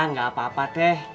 gak apa apa teh